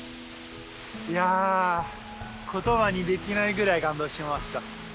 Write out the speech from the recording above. いや言葉にできないぐらい感動しました。